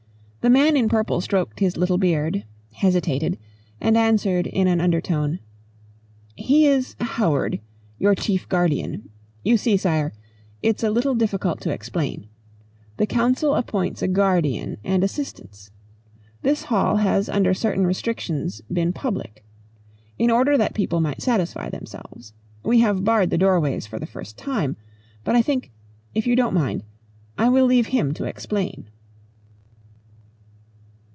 The man in purple stroked his little beard, hesitated, and answered in an undertone, "He is Howard, your chief guardian. You see, Sire it's a little difficult to explain. The Council appoints a guardian and assistants. This hall has under certain restrictions been public. In order that people might satisfy themselves. We have barred the doorways for the first time. But I think if you don't mind, I will leave him to explain."